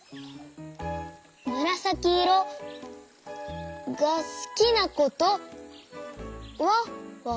むらさきいろがすきなことはわかりました。